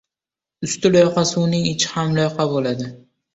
• Usti loyqa suvning ichi ham loyqa bo‘ladi.